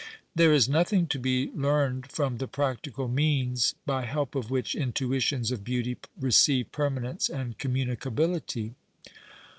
. There is nothing to l)e learned from the practical means by help of which intuitions of beauty receive permanence and conuniniieability."